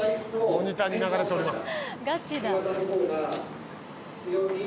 モニターに流れております。